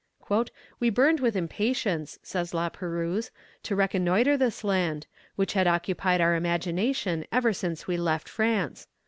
"We burned with impatience," say La Perouse, "to reconnoitre this land, which had occupied our imagination ever since we left France.